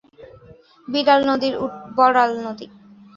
বড়াল নদীর উৎপত্তি রাজশাহী জেলার চারঘাট থেকে পদ্মা নদীর শাখা নদী হিসেবে।